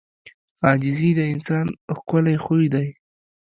• عاجزي د انسان ښکلی خوی دی.